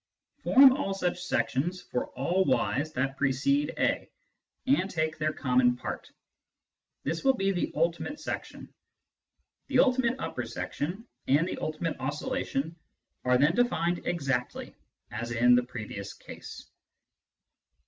Form all such sections for all y's that precede a, and take their common part ; this will be the ultimate section. The ultimate upper section and the ultimate oscillation are then defined exactly as in the previous case.